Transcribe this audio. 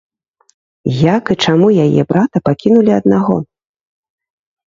Як і чаму яе брата пакінулі аднаго?